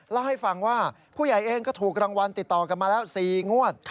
เล่าให้ฟังว่าผู้ใหญ่เองก็ถูกรางวัลติดต่อกันมาแล้ว๔งวด